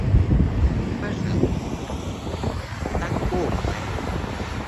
Пожалуйста, в таком порядке.